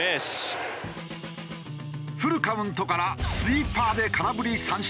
フルカウントからスイーパーで空振り三振。